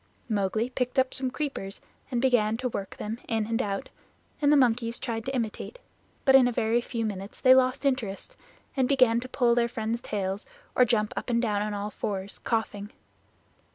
Mowgli picked up some creepers and began to work them in and out, and the monkeys tried to imitate; but in a very few minutes they lost interest and began to pull their friends' tails or jump up and down on all fours, coughing.